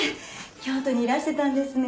京都にいらしてたんですね。